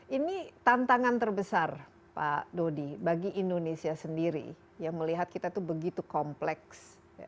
ini tantangan terbesar pak dodi bagi indonesia sendiri yang melihat kita itu begitu kompleks